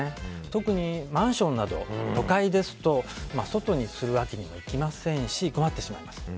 特にマンションなど都会ですと外にするわけにもいきませんし困ってしまいます。